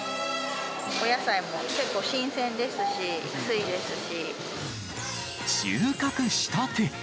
お野菜も結構新鮮ですし、収穫したて！